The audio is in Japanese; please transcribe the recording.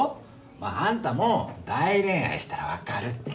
まああんたも大恋愛したら分かるって。